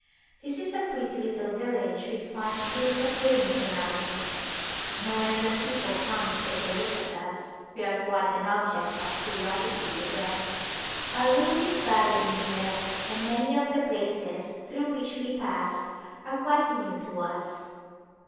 This is a pretty little village with fine fields of grain surrounding it. No end of people come to take a look at us ; we are quite an object of curios ity to them. Our route is rather indirect and many of the places through which we pass are quite new to us.